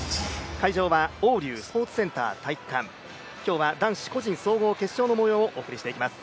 会場は黄龍スポーツセンター体育館、今日は男子個人総合決勝の模様をお送りしていきます。